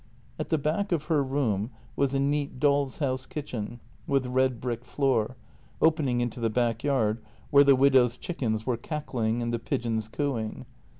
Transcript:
At the back of her room was a neat doll's house kitchen with red brick floor, opening into the back yard, where the widow's chickens were cackling and the pigeons cooing.